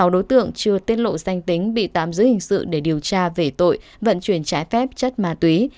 sáu đối tượng chưa tiết lộ danh tính bị tạm giữ hình sự để điều tra về tội vận chuyển trái phép chất ma túy